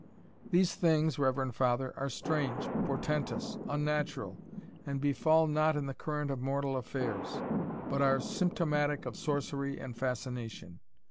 These things, reverend father, are strange, portentous, unnatural, and befall not in the current of mortal affairs, but are symptomatic of sorcery and fascination.